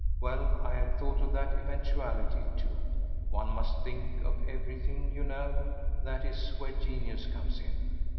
Well, I had thought of that eventuality, too; one must think of everything, you know—that is where genius comes in.